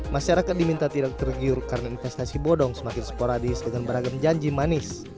masyarakat diminta tidak tergiur karena investasi bodong semakin sporadis dengan beragam janji manis